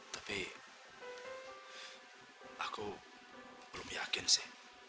tapi aku belum yakin sih